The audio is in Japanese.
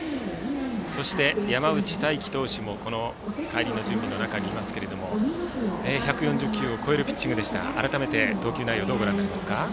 そして、山内太暉投手も帰りの準備の中にいますけども１４０球を超えるピッチング改めて投球内容どうですか。